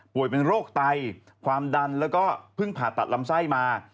เป็นโรคไตความดันแล้วก็เพิ่งผ่าตัดลำไส้มา